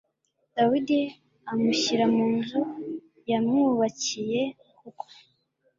dawidi amushyira mu nzu yamwubakiye kuko